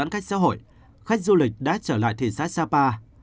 khách xã hội khách du lịch đã trở lại thị xã sapa